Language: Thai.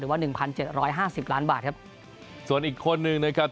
หรือว่า๑๗๕๐ล้านบาทครับ